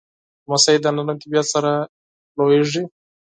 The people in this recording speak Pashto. لمسی له نرم طبیعت سره لویېږي.